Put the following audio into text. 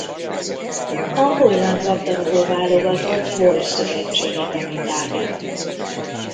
A holland labdarúgó-válogatott volt szövetségi kapitánya.